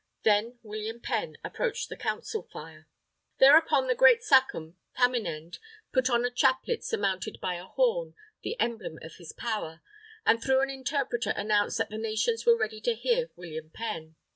Then William Penn approached the Council fire. Thereupon the Great Sachem, Taminend, put on a chaplet surmounted by a horn, the emblem of his power, and through an interpreter announced that the Nations were ready to hear William Penn.